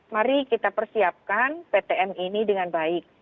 mari kita persiapkan ptm ini dengan baik